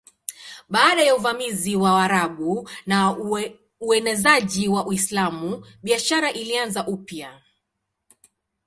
Baada ya uvamizi wa Waarabu na uenezaji wa Uislamu biashara ilianza upya.